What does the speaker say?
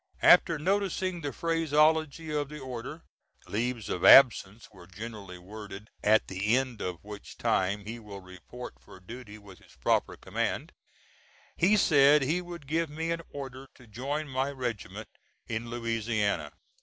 After noticing the phraseology of the order leaves of absence were generally worded, "at the end of which time he will report for duty with his proper command" he said he would give me an order to join my regiment in Louisiana.